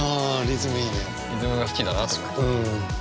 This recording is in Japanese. リズムが好きだなと思って。